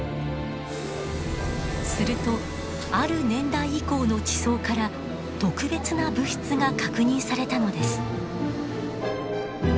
するとある年代以降の地層から特別な物質が確認されたのです。